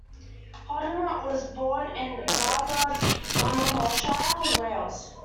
Hoddinott was born in Bargoed, Glamorganshire, Wales.